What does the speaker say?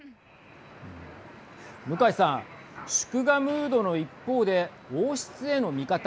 向井さん、祝賀ムードの一方で王室への見方